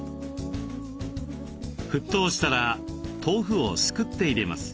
沸騰したら豆腐をすくって入れます。